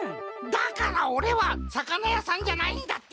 だからオレは魚屋さんじゃないんだってば！